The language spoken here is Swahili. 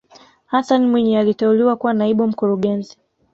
hassan mwinyi aliteuliwa kuwa naibu mkurugenzi